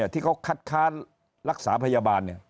ที่เขาคัดค้านรักษาพยาบาล